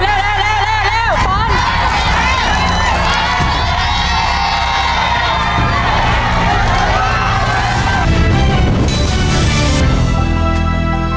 เร็ว